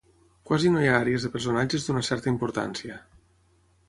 Quasi no hi ha àries de personatges d'una certa importància.